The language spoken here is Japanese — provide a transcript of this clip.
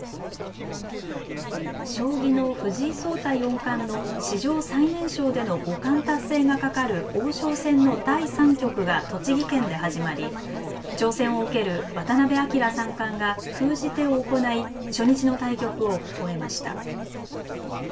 将棋の藤井聡太四冠の史上最年少での五冠達成がかかる王将戦の第３局が栃木県で始まり挑戦を受ける渡辺明三冠が封じ手を行い初日の対局を終えました。